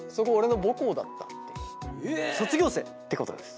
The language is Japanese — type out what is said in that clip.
そこ卒業生？ええ！ってことです。